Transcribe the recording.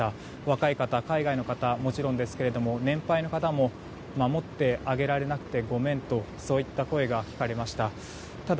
若い方、海外の方はもちろんですけども年配の方も守ってあげられなくてごめんとそういった声が聞かれました。